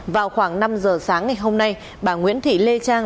vào khoảng năm giờ sáng ngày hôm nay bà nguyễn thị lê trang